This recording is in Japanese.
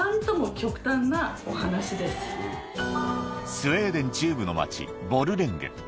スウェーデン中部の町ボルレンゲ